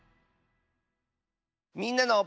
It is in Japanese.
「みんなの」。